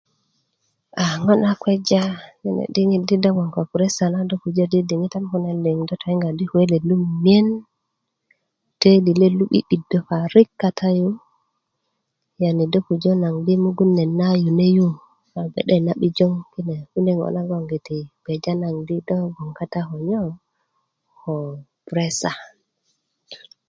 a ŋo na kpeja di nene diŋit di do gboŋ ko puresa na pujö di diŋitan kune liŋ to toyiŋga kuwe net na mimiin töyili let lo 'bi'bitdö parik kata yu a yani do pujö di a mugun neyet na yune yu na 'bijo kine kune ŋo naŋ giti nagon kpeja naŋ di do gboŋ kata ko nyo ko puresa